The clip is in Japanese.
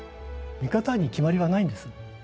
見方に決まりはないんです。